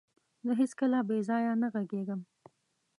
زه هيڅکله بيځايه نه غږيږم.